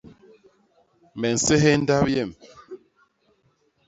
Me nséhés ndap yem.